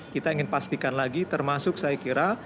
kita ingin pastikan lagi termasuk saya kira